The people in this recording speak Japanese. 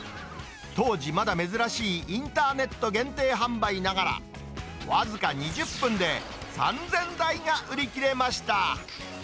当時まだ珍しいインターネット限定販売ながら、僅か２０分で３０００台が売り切れました。